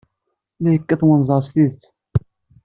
La yekkat wenẓar s tidet.